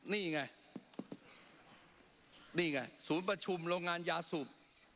นี่ไงนี่ไงศูนย์ประชุมโรงงานยาสูบ